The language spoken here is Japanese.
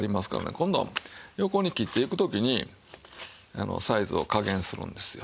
今度横に切っていく時にサイズを加減するんですよ。